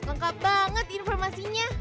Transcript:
lengkap banget informasinya